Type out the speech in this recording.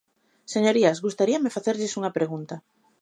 Señorías, gustaríame facerlles unha pregunta.